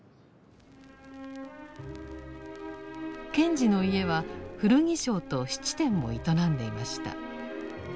賢治の家は古着商と質店を営んでいました。